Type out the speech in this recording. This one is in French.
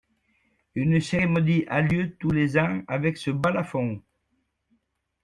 Une cérémonie a lieu tous les ans avec ce balafon.